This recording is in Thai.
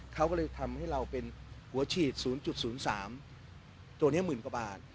เขาก็เลยทำให้เราเป็นหัวฉีด๐๐๓ตัวนี้หมื่นกว่าบาท